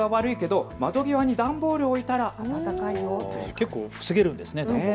結構、防げるんですね。